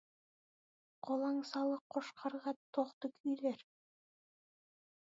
Қолаңсалы қошқарға тоқты күйлер.